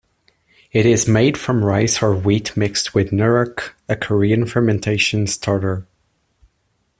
It is made from rice or wheat mixed with "nuruk", a Korean fermentation starter.